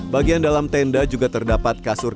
bagian dalam tenda juga terdapat kasur